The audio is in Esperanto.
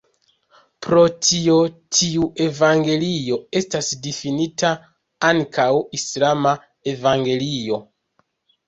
Pro tio tiu evangelio estas difinita ankaŭ "islama evangelio".